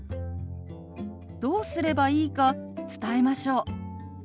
どうすればいいか伝えましょう。